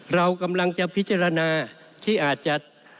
เรากำลังจะพิจารณาที่อาจจะ